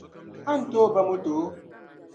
a ni tooi ba moto?